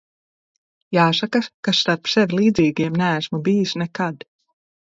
Jāsaka, ka starp sev līdzīgiem neesmu bijis nekad.